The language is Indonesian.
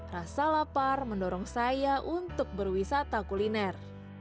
rasa lapar mendorong saya untuk berwisata kuliner